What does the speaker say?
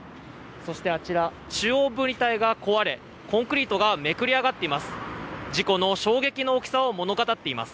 そしてあちら、中央分離帯が壊れコンクリートがめくれ上がっています。